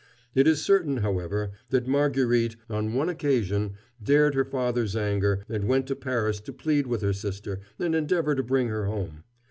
It is certain, however, that Marguerite, on one occasion, dared her father's anger and went to Paris to plead with her sister and endeavor to bring her home.